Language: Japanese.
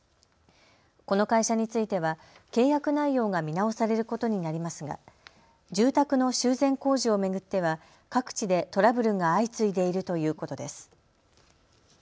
この会社については契約内容が見直されることになりますが住宅の修繕工事を巡っては各地でトラブルが相次いでいるということです。